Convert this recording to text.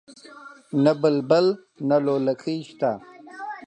نه بلبل نه لولکۍ شته